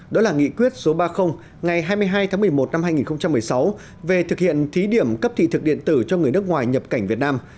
đó là nghị quyết số ba mươi ngày hai mươi hai tháng một mươi một năm hai nghìn một mươi sáu về thực hiện thí điểm cấp thị thực điện tử cho người nước ngoài nhập cảnh việt nam